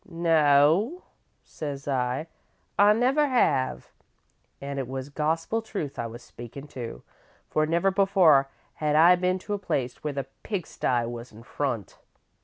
"'No,' says I, 'I never have'; an' it was gospel truth I was speakin', too, for never before had I been to a place where the pigsty was in front.